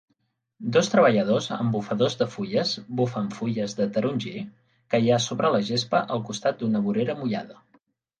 Dos treballadors amb bufadors de fulles bufen fulles de taronger que hi ha sobre la gespa al costat d'una vorera mullada